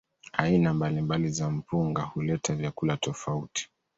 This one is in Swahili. Aina mbalimbali za mpunga huleta vyakula tofauti.